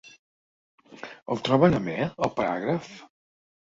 ¿El troben amè, el paràgraf?